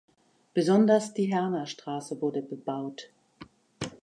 Besonders die Herner Straße wurde bebaut.